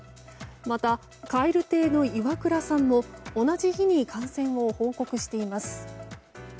また、蛙亭のイワクラさんも同じ日に感染を報告しています。